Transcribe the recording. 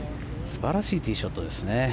素晴らしいティーショットですね。